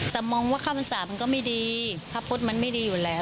แต่มองว่าข้าวพรรษามันก็ไม่ดีพระพุทธมันไม่ดีอยู่แล้ว